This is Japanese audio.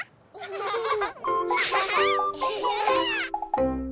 ウフフフ。